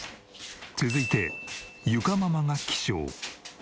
続いて裕佳ママが起床。